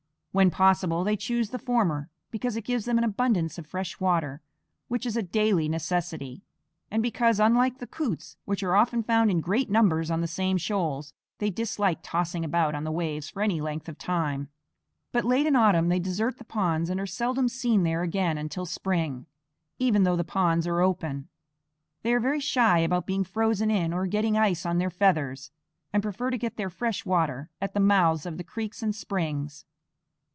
When possible, they choose the former, because it gives them an abundance of fresh water, which is a daily necessity; and because, unlike the coots which are often found in great numbers on the same shoals, they dislike tossing about on the waves for any length of time. But late in the autumn they desert the ponds and are seldom seen there again until spring, even though the ponds are open. They are very shy about being frozen in or getting ice on their feathers, and prefer to get their fresh water at the mouths of creeks and springs.